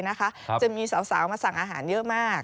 จะมีสาวมาสั่งอาหารเยอะมาก